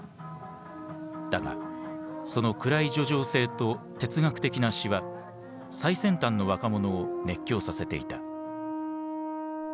だがその暗い叙情性と哲学的な詩は最先端の若者を熱狂させていた。